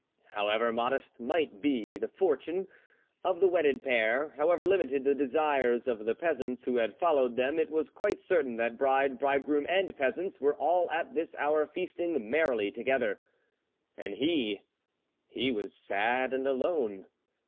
However modest might be the fortune of the wedded pair, however limited the desires of the peasants who had followed them, it was quite certain that bride, bridegroom and peasants were all at this hour feasting merrily together. And he, he was sad and alone.